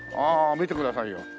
見てくださいよ。